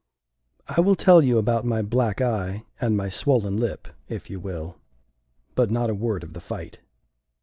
I will tell you about my black eye, and my swollen lip, if you will; but not a word of the fight.